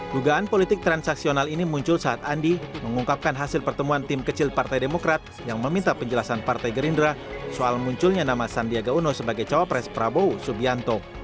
dugaan politik transaksional ini muncul saat andi mengungkapkan hasil pertemuan tim kecil partai demokrat yang meminta penjelasan partai gerindra soal munculnya nama sandiaga uno sebagai cawapres prabowo subianto